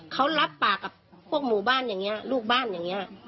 เขารับปากกับพวกหมู่บ้านอย่างนี้ลูกบ้านอย่างนี้